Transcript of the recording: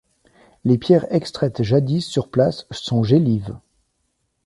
Les pierres extraites jadis sur place sont gélives.